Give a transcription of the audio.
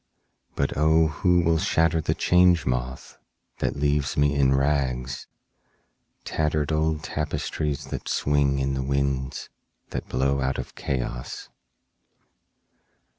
(But O who will shatter the Change Moth that leaves me in rags—tattered old tapestries that swing in the winds that blow out of Chaos!)